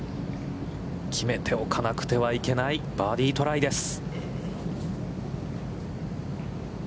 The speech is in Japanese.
決めておかなくてはいけないバーディートライです。